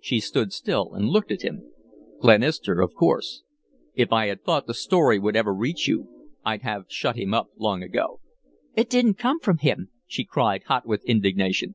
She stood still and looked at him. "Glenister, of course. If I had thought the story would ever reach you, I'd have shut him up long ago." "It didn't come from him," she cried, hot with indignation.